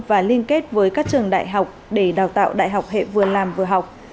và liên kết với các trường đại học để đào tạo đại học hệ vừa làm vừa học